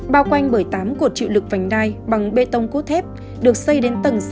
bao quanh bởi tám cột trịu lực vành đai bằng bê tông cố thép được xây đến tầng sáu mươi hai